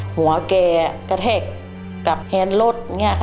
หัวแก่กระเทกกับแฮนด์ลด